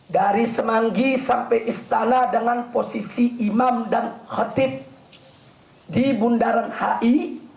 dari semanggi sampai istana dengan posisi imam dan khotib di bundaran hi